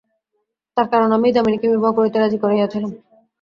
তার কারণ, আমিই দামিনীকে বিবাহ করিতে রাজি করাইয়াছিলাম।